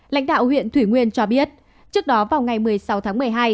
lãnh đạo huyện thủy nguyên cho biết trước đó vào ngày một mươi sáu tháng một mươi hai